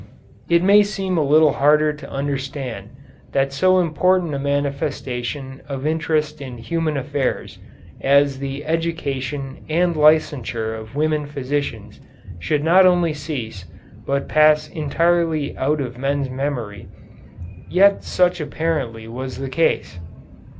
It may seem a little harder to understand that so important a manifestation of interest in human affairs as the education and licensure of women physicians should not only cease, but pass entirely out of men's memory, yet such apparently was the case.